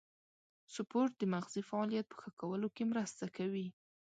سپورت د مغزي فعالیت په ښه کولو کې مرسته کوي.